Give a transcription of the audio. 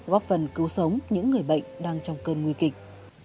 góp phần cứu sống những người bệnh đang trong cơn nguy kịch